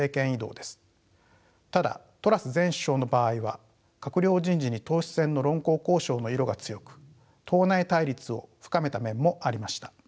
ただトラス前首相の場合は閣僚人事に党首選の論功行賞の色が強く党内対立を深めた面もありました。